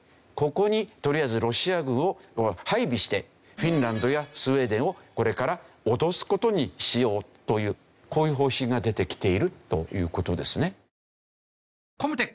ここにとりあえずロシア軍を配備してフィンランドやスウェーデンをこれから脅す事にしようというこういう方針が出てきているという事ですね。